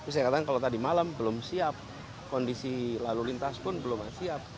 saya katakan kalau tadi malam belum siap kondisi lalu lintas pun belum siap